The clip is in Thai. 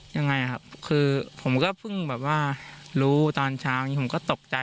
อย่างไงครับคือผมก็พึ่งแล้วว่ารู้ตอนฉาวมีผมก็ตกใจ